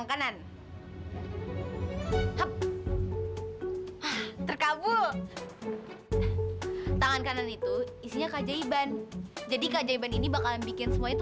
artinya suatu saat dia pasti berubah